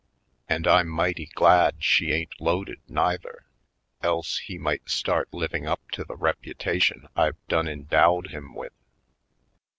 And I'm mighty glad she ain't loaded, neither; else he might start living up to the reputation I've done en dowed him with.